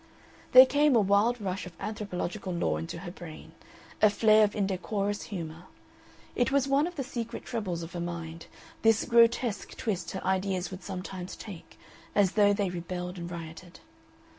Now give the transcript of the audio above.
There came a wild rush of anthropological lore into her brain, a flare of indecorous humor. It was one of the secret troubles of her mind, this grotesque twist her ideas would sometimes take, as though they rebelled and rioted.